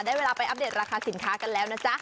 เวลาไปอัปเดตราคาสินค้ากันแล้วนะจ๊ะ